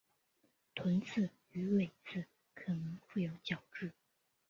臀刺与尾刺可能覆有角质。